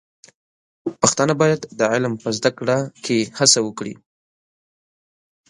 پښتانه بايد د علم په زده کړه کې هڅه وکړي.